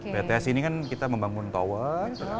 bts ini kan kita membangun tower